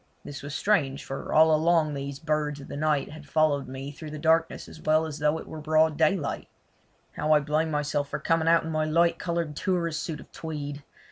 This was strange, for all along these birds of the night had followed me through the darkness as well as though it was broad daylight. How I blamed myself for coming out in my light coloured tourist suit of tweed.